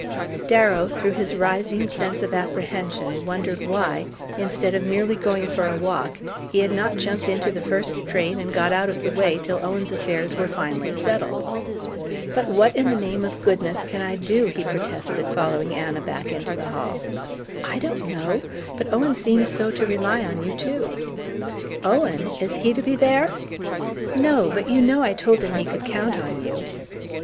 Darrow, through his rising sense of apprehension, wondered why, instead of merely going for a walk, he had not jumped into the first train and got out of the way till Owen's affairs were finally settled. "But what in the name of goodness can I do?" he protested, following Anna back into the hall. "I don't know. But Owen seems so to rely on you, too " "Owen! Is HE to be there?" "No. But you know I told him he could count on you."